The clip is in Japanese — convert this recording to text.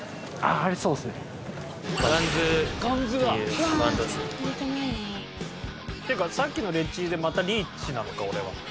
っていうかさっきのレッチリでまたリーチなのか俺は。